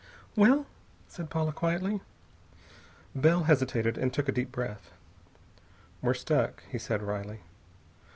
"Well?" said Paula quietly. Bell hesitated, and took a deep breath. "We're stuck," he said wryly.